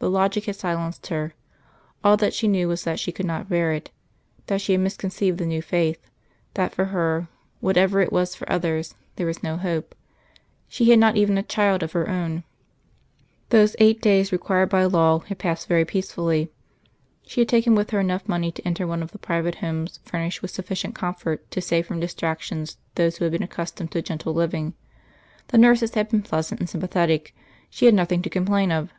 The logic had silenced her. All that she knew was that she could not bear it; that she had misconceived the New Faith; that for her, whatever it was for others, there was no hope.... She had not even a child of her own. Those eight days, required by law, had passed very peacefully. She had taken with her enough money to enter one of the private homes furnished with sufficient comfort to save from distractions those who had been accustomed to gentle living: the nurses had been pleasant and sympathetic; she had nothing to complain of.